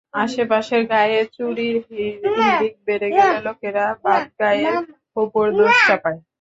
আশপাশের গাঁয়ে চুরির হিড়িক বেড়ে গেলে লোকেরা বাঁধগাঁয়ের ওপর দোষ চাপায়।